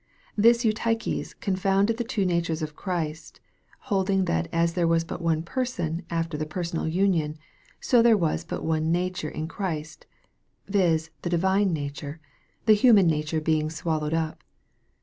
This Eutyches confounded the two natures in Christ, holding that as there was but one Person after the personal union, so there was but one nature in Christ, viz. the divine nature, the human nature being swal lowed up.